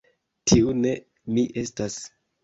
Tiu ne mi estas!